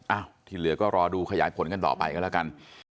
ที่เหลือก็รอดูขยายผลกันต่อไปกันแล้วกัน